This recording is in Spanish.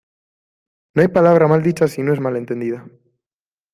No hay palabra mal dicha si no es mal entendida.